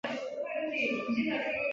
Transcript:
嘉庆元年赴千叟宴。